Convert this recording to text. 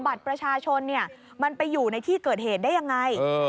บัตรประชาชนเนี่ยมันไปอยู่ในที่เกิดเหตุได้ยังไง